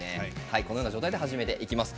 このような状態で始めていきます。